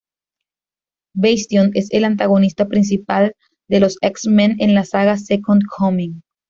Bastion es el antagonista principal de los X-Men en la saga "Second Coming".